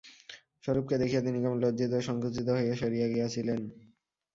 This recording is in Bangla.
স্বরূপকে দেখিয়া তিনি কেমন লজ্জিত ও সংকুচিত হইয়া সরিয়া গিয়াছিলেন।